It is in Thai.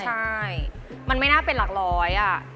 ใช่มันไม่น่าเป็นหลักร้อยอ่ะ